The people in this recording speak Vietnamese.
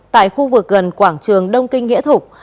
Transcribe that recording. tại khu vực gần quảng trường đông kinh nghĩa thục